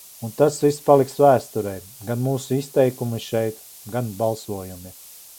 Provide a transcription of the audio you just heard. Un tas viss paliks vēsturei, gan mūsu izteikumi šeit, gan balsojumi.